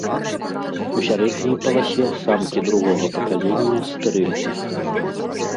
У сярэдняй паласе самкі другога пакалення стэрыльныя.